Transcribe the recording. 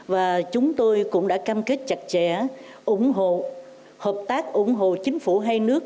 và chúng tôi cũng đã cam kết chặt chẽ ủng hộ hợp tác ủng hộ chính phủ hai nước